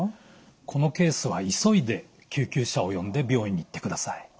このケースは急いで救急車を呼んで病院に行ってください。